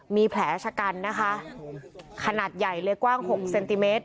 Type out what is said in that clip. มีแผลชะกันนะคะขนาดใหญ่เลยกว้าง๖เซนติเมตร